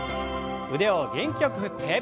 腕を元気よく振って。